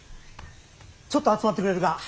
ちょっと集まってくれるか。